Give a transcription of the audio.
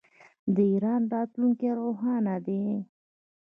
د ایران راتلونکی روښانه دی.